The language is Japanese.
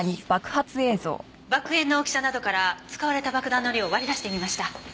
爆煙の大きさなどから使われた爆弾の量を割り出してみました。